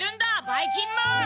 ばいきんまん！